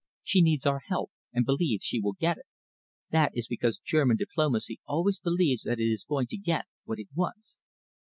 She needs our help and believes she will get it. That is because German diplomacy always believes that it is going to get what it wants.